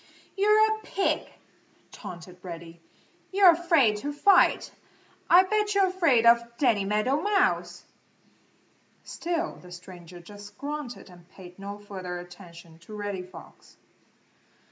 "You're a pig!" taunted Reddy. "You're afraid to fight. I bet you're afraid of Danny Meadow Mouse!" Still the stranger just grunted and paid no further attention to Reddy Fox.